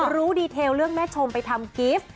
รู้ดีเทลเรื่องแม่ชมไปทำกิฟต์